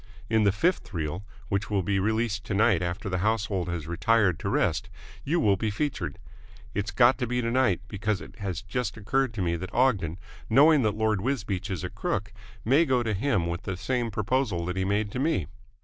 In the fifth reel, which will be released to night after the household has retired to rest, you will be featured. It's got to be tonight, because it has just occurred to me that Ogden, knowing that Lord Wisbeach is a crook, may go to him with the same proposal that he made to me."